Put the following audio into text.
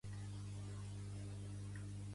Pertany al moviment independentista l'Edurne?